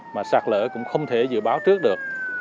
mà sạt lở cũng không thể dự báo trước được